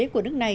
của nước này